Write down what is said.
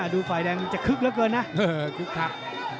ดูไฟแดงจะคึกเหลือเกินนะคึกครับ